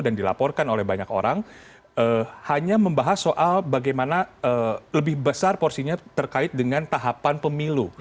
dan dilaporkan oleh banyak orang hanya membahas soal bagaimana lebih besar porsinya terkait dengan tahapan pemilu